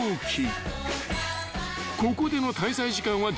［ここでの］